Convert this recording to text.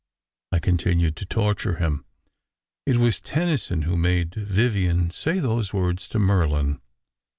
" I continued to torture him. "It was Tennyson who made Vivien say those words to Merlin.